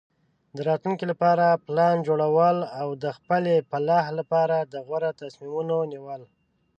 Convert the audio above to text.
د راتلونکي لپاره پلان جوړول او د خپلې فلاح لپاره د غوره تصمیمونو نیول.